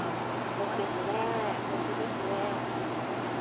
そうですね、本当ですね。